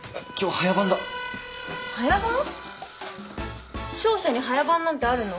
早番？商社に早番なんてあるの？